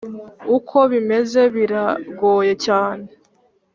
uko bimeze bira goye cyane